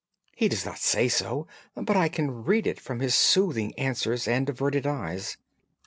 He does not say so, but I can read it from his soothing answers and averted eyes.